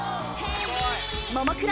ももクロ